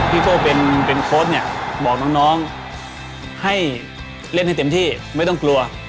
พี่โปเป็นโค้ดบอกน้องให้เล่นให้เต็มที่ไม่ต้องกลัว